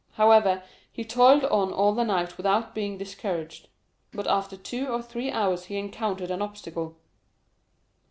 However, he toiled on all the night without being discouraged; but after two or three hours he encountered an obstacle.